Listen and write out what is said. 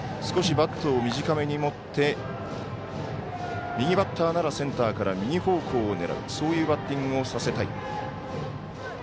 少しバットを短めに持って右バッターならセンターから右方向を狙うそういうバッティングをさせたい。